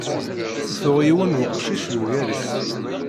Tuɣ yiwen n weqcic yugar-itt.